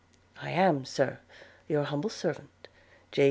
I am, Sir, Your humble servant, J.